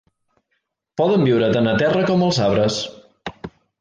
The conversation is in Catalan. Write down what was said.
Poden viure tant a terra com als arbres.